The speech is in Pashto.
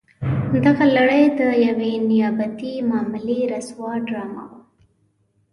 دغه لړۍ د یوې نیابتي معاملې رسوا ډرامه وه.